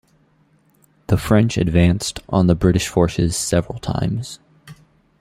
The French advanced on the British force several times.